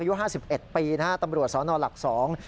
ห้าสิบเอ็ดปีนะฮะตำรวจสอนอหลักสอง